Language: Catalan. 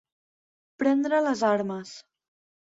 Prendre les armes.